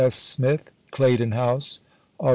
Smith._) CLAYDON HOUSE, _Aug.